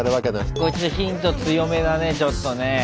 これヒント強めだねちょっとね。